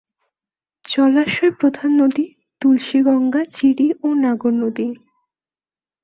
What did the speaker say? জলাশয় প্রধান নদী: তুলসিগঙ্গা, চিরি ও নাগর নদী।